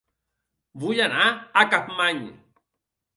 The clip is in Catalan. Vull anar a Capmany